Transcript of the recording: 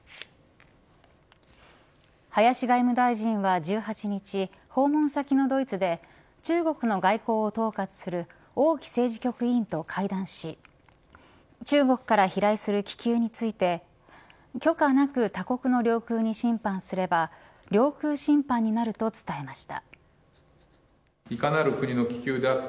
林外務大臣は１８日訪問先のドイツで中国の外交を統括する王毅政治局委員と会談し中国から飛来する気球について許可なく他国の領空に侵犯すれば領空侵犯になると伝えました。